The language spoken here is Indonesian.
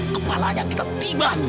kepalanya kita timan